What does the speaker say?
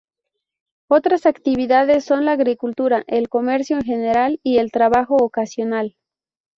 Otras actividades son la agricultura, el comercio en general y el trabajo ocasional.